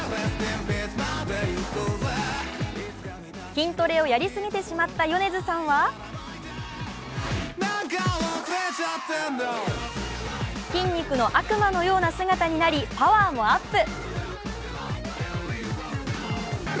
筋トレをやり過ぎてしまった米津さんは筋肉の悪魔のような姿になりパワーもアップ。